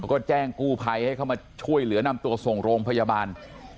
ก็แจ้งกู้ภัยให้เข้ามาช่วยเหลือนำตัวส่งโรงพยาบาล